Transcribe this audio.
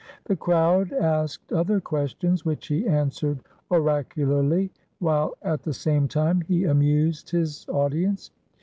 The crowd asked other questions which he answered oracularly, while at the same time he amused his audience.